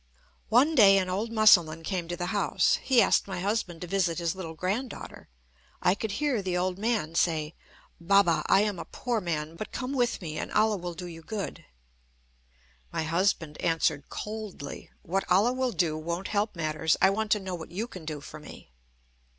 One day an old Musalman came to the house. He asked my husband to visit his little grand daughter. I could hear the old man say: "Baba, I am a poor man; but come with me, and Allah will do you good." My husband answered coldly: "What Allah will do won't help matters; I want to know what you can do for me."